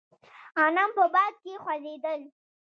غنم په باد کې خوځېدل.